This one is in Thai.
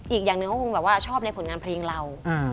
อีกอย่างหนึ่งเขาคงชอบในผลงานพลิงเรา